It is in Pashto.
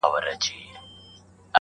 له بې هنرو ګوتو پورته سي بې سوره نغمې؛